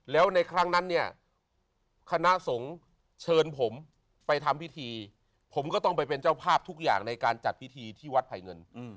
แล้วในครั้งนั้นเนี่ยคณะสงฆ์เชิญผมไปทำพิธีผมก็ต้องไปเป็นเจ้าภาพทุกอย่างในการจัดพิธีที่วัดไผ่เงิน